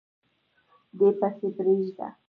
دی پسي پریږده